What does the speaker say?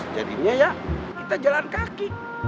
jadinya ya kita jalan kaki